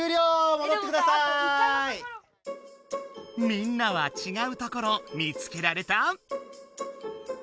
みんなはちがうところ見つけられた？